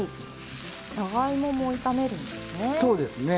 じゃがいもも炒めるんですね。